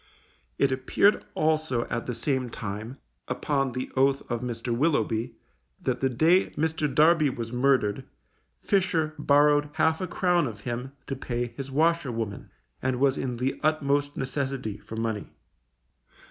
It appeared also at the same time, upon the oath of Mr. Willoughby, that the day Mr. Darby was murdered, Fisher borrowed half a crown of him to pay his washerwoman, and was in the utmost necessity for money.